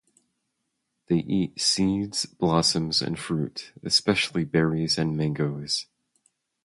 They eat seeds, blossoms and fruit - especially berries and mangos.